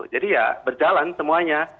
jadi ya berjalan semuanya